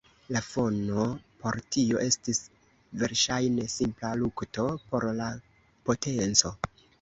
La fono por tio estis verŝajne simpla lukto por la potenco.